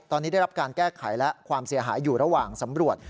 ตอนนี้ได้รับการแก้ไขและความเสียหายอยู่ระหว่างสำรวจ